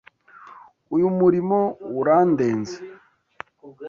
Uyu murimo urandenze.